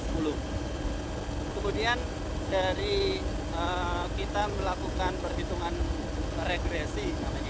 kemudian dari kita melakukan perhitungan regresi